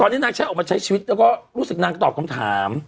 ตอนนี้นางใช้ออกมาใช้ชีวิตแล้วก็รู้สึกนางก็ตอบคำถาม